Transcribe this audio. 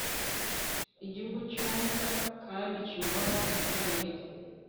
igihugu cyumvwa kandi cyubahwa mu karere